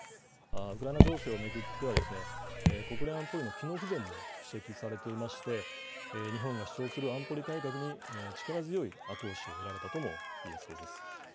ウクライナ情勢を巡っては、国連安保理の機能不全も指摘されていまして、日本が主張する安保理改革に力強い後押しを得られたともいえそうです。